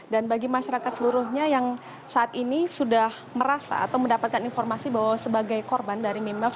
dan bagi masyarakat seluruhnya yang saat ini sudah merasa atau mendapatkan informasi bahwa sebagai korban dari mimels